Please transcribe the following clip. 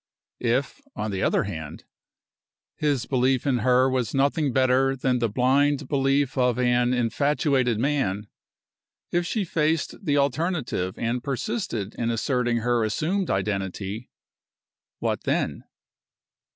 If, on the other hand, his belief in her was nothing better than the blind belief of an infatuated man if she faced the alternative and persisted in asserting her assumed identity what then?